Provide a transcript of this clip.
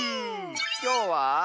きょうは。